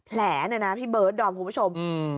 แผลเนี่ยนะพี่เบิร์ดดอมคุณผู้ชม